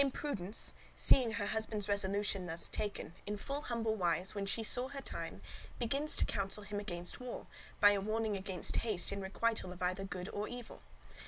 (Dame Prudence, seeing her husband's resolution thus taken, in full humble wise, when she saw her time, begins to counsel him against war, by a warning against haste in requital of either good or evil.